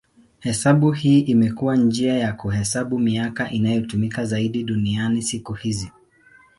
Hesabu hii imekuwa njia ya kuhesabu miaka inayotumika zaidi duniani siku hizi.